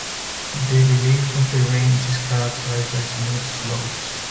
The relief of the range is characterized by smooth slopes.